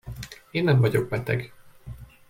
Én nem vagyok beteg.